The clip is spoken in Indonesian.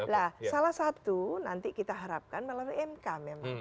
nah salah satu nanti kita harapkan melalui mk memang